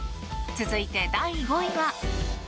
続いて、第５位は。